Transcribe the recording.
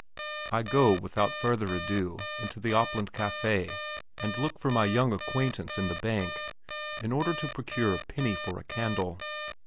I go without further ado into the Opland Cafe and look for my young acquaintance in the bank, in order to procure a penny for a candle.